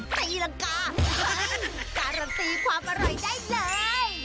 ตีรังกาการันตีความอร่อยได้เลย